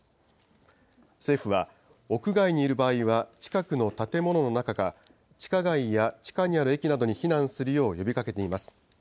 政府は屋外にいる場合は近くの建物の中か、地下街や地下にある駅などに避難するよう呼びかけています。